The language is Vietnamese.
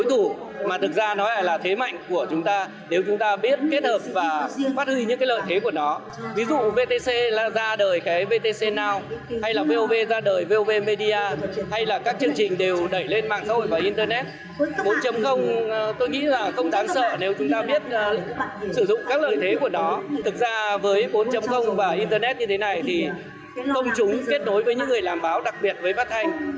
thực ra với bốn và internet như thế này thì công chúng kết nối với những người làm báo đặc biệt với phát thanh là một cách tốt lợi nhất và dễ nhất